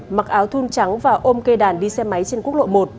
mặc áo thun trắng và ôm cây đàn đi xe máy trên quốc lộ một